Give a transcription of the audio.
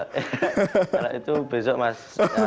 kalau itu besok mas